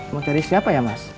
mau dari siapa ya mas